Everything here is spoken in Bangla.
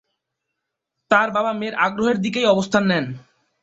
তার বাবা মেয়ের আগ্রহের দিকেই অবস্থান নেন।